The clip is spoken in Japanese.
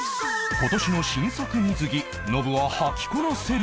今年の新作水着ノブははきこなせるか？